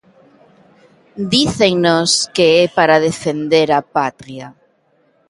Dícennos que é para defender a patria.